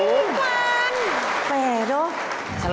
โอ้น่ะกูสามารถสิทธิ์เอาวะ